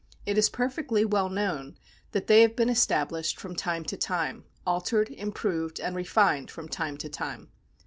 It is perfectly well known that they have been established from time to time — altered, improved, and refined from time to time.